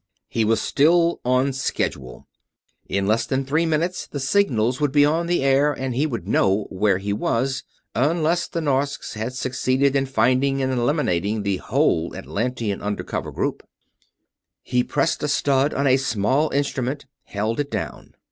He was still on schedule. In less than three minutes the signals would be on the air and he would know where he was unless the Norsks had succeeded in finding and eliminating the whole Atlantean under cover group. He pressed a stud on a small instrument; held it down.